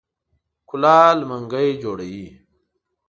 کولال منګی جوړوي.